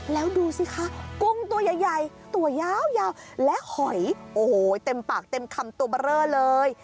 แล้วดูสิคะกุ้งตัวใหญ่ตัวยาวและหอยโอ้โหเต็มปากเต็มคำตัวเบอร์เลอร์เลย